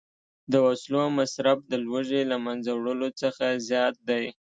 د وسلو مصرف د لوږې له منځه وړلو څخه زیات دی